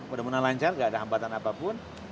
mudah mudahan lancar gak ada hambatan apapun